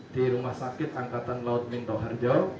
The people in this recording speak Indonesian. di rumah sakit angkatan laut minto harjo